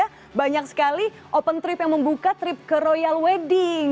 dan juga di indonesia jadi saya sangat sangat senang sekali open trip yang membuka trip ke royal wedding